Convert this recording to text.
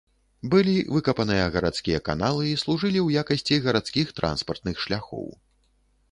Былі выкапаныя гарадскія каналы і служылі ў якасці гарадскіх транспартных шляхоў.